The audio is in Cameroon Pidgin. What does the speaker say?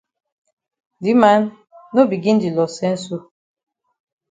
Di man, no begin di loss sense so.